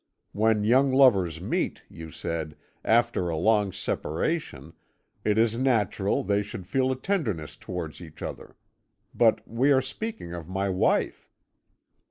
When young lovers meet, you said, after a long separation, it is natural they should feel a tenderness towards each other. But we are speaking of my wife.'